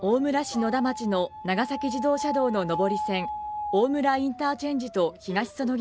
野田町の長崎自動車道の上り線大村インターチェンジと東そのぎ